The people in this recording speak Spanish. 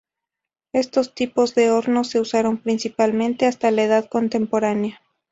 Estos tipos de hornos se usaron principalmente hasta la Edad Contemporánea.